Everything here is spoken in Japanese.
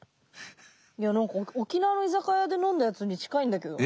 いや何か沖縄の居酒屋で飲んだやつに近いんだけど。